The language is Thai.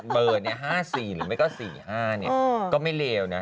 เบอร์เนี่ย๕๔หรือไม่ก็๔๕เนี่ยก็ไม่เลวนะ